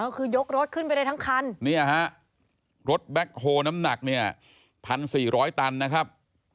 เออคือยกรถขึ้นไปได้ทั้งคันเนี่ยฮะรถแบคโฮล์น้ำหนักเนี่ยพันสี่ร้อยตันนะครับ